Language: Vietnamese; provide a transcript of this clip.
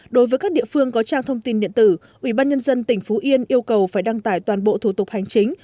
đối với các địa phương có trang thông tin điện tử ủy ban nhân dân tỉnh phú yên yêu cầu phải đăng tải toàn bộ thủ tục hành chính